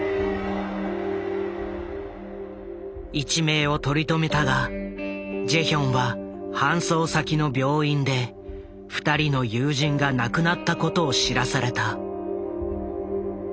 一命を取り留めたがジェヒョンは搬送先の病院で２人の友人が亡くなったことを知らされた。